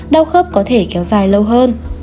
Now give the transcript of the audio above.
đau khớp có thể kéo dài lâu hơn